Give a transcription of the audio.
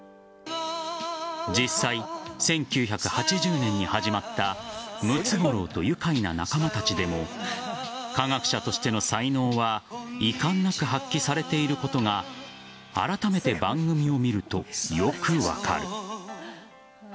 実際、１９８０年に始まった「ムツゴロウとゆかいな仲間たち」でも科学者としての才能はいかんなく発揮されていることがあらためて番組を見るとよく分かる。